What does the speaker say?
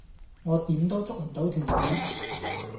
我點都捉唔到條魚